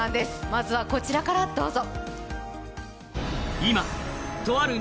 まずはこちらからどうぞ。